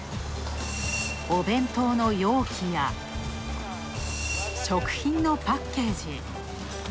お弁当の容器や、食品のパッケージ。